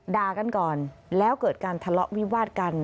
ด่ากันก่อนแล้วเกิดการทะเลาะวิวาดกัน